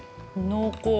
濃厚。